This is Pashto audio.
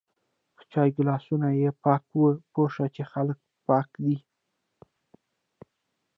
که چای ګلاسونه یی پاک و پوهه شه چی خلک پاک دی